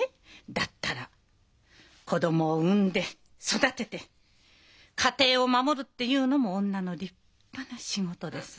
だったら子供を産んで育てて家庭を守るっていうのも女の立派な仕事です。